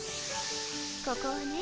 ここはね